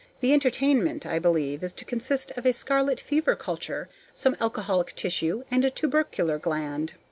The entertainment, I believe, is to consist of a scarlet fever culture, some alcoholic tissue, and a tubercular gland.